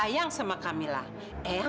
ya allah eyang